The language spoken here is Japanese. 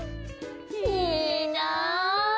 いいなぁ。